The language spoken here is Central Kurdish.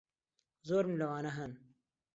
زۆرم لەوانە ھەن.